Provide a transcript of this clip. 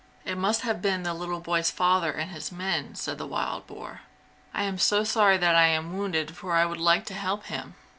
"It must have been the little boy's father and his men," said the wild boar. "I am sorry that I am wounded for I would like to help him!"